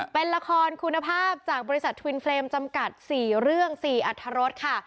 เป็นละครคุณภาพจากบริษัททวินเฟรมจำกัด๔เรื่อง๔อัธรสค่ะ